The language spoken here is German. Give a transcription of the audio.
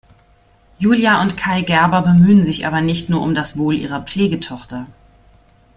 Julia und Kai Gerber bemühen sich aber nicht nur um das Wohl ihrer Pflegetochter.